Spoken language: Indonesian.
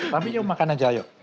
tapi yuk makan aja yuk